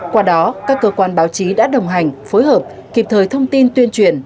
qua đó các cơ quan báo chí đã đồng hành phối hợp kịp thời thông tin tuyên truyền